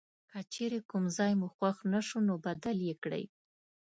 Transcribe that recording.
که چیرې کوم ځای مو خوښ نه شو نو بدل یې کړئ.